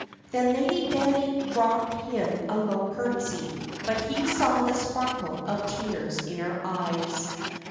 "Then Lady Betty dropped him a low curtsy; but he saw the sparkle of tears in her eyes.